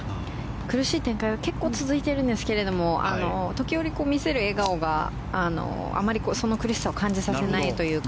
苦しい展開が結構続いてるんですけど時折見せる笑顔があまりその苦しさを感じさせないというか。